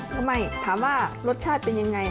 ก็ไม่ถามว่ารสชาติเป็นยังไง